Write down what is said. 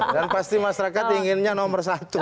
dan pasti masyarakat inginnya nomor satu